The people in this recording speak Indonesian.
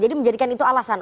jadi menjadikan itu alasan